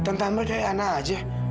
tante ambar kayak anak aja